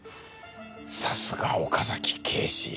さすが岡崎警視。